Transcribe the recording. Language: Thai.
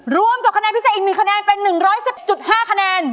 รวมจบคะแนนพิเศษอีก๑คะแนนเป็น๑๑๐๕คะแนน